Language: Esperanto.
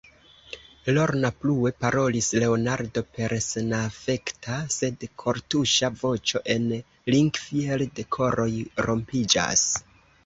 Lorna, plue parolis Leonardo per senafekta, sed kortuŝa voĉo, en Linkfield koroj rompiĝas.